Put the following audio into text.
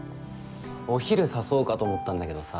お昼誘おうかと思ったんだけどさ